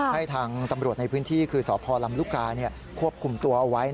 ให้ทางตำรวจในพื้นที่คือสพลำลูกกาควบคุมตัวเอาไว้